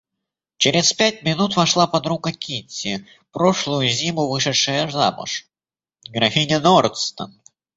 Через пять минут вошла подруга Кити, прошлую зиму вышедшая замуж, графиня Нордстон.